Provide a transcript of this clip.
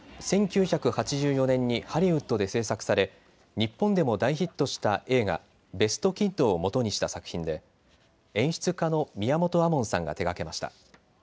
１９８４年にハリウッドで製作され日本でも大ヒットした映画、ベスト・キッドをもとにした作品で演出家の宮本亞門さんが手がけました。